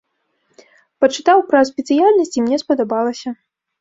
Пачытаў пра спецыяльнасць і мне спадабалася.